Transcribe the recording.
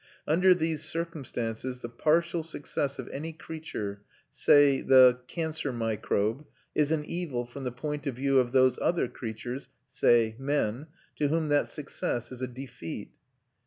Under these circumstances the partial success of any creature say, the cancer microbe is an evil from the point of view of those other creatures say, men to whom that success is a defeat.